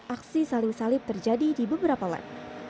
aksi saling salib terjadi di beberapa lab